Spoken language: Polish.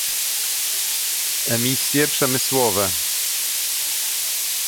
Emisje przemysłowe